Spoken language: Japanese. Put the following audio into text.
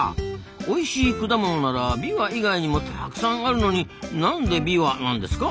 おいしい果物ならビワ以外にもたくさんあるのになんでビワなんですか？